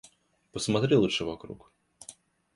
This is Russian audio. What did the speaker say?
Посмотри лучше вокруг.